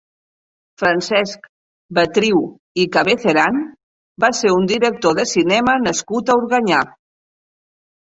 Francesc Betriu i Cabeceran va ser un director de cinema nascut a Organyà.